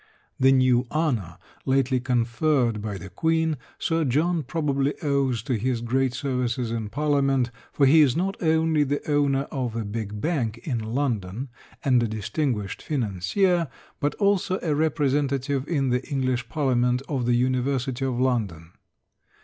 The new honor, lately conferred by the Queen, Sir John probably owes to his great services in Parliament, for he is not only the owner of a big bank in London, and a distinguished financier, but also a representative in the English Parliament of the University of London.